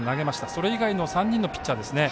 それ以外の３人のピッチャーです。